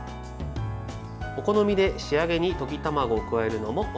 お好みで仕上げに溶き卵を加えるのもおすすめです。